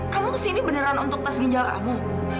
kamu ke sini beneran untuk tes ginjal kamu